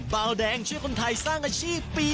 เบาแดงช่วยคนไทยสร้างอาชีพปี๒